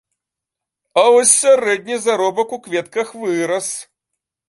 А вось сярэдні заробак у кветках вырас.